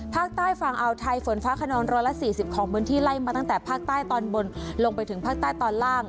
ภาคใต้ฝั่งอาวไทยฝนฟ้าขนอง๑๔๐ของพื้นที่ไล่มาตั้งแต่ภาคใต้ตอนบนลงไปถึงภาคใต้ตอนล่าง